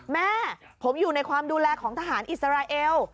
แม่ผมอยู่ในความดูแลของทหารอิสราเอล